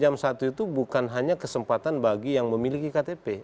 jam dua belas sampai jam satu itu bukan hanya kesempatan bagi yang memiliki ktp